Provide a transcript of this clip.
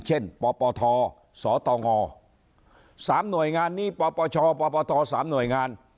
เช่นปปทสตง๓หน่วยงานนี้ปปชปท๓หน่วยงาน